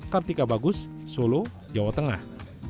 kartika bagus solo jawa tengah